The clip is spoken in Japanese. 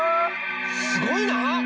すごいなあ！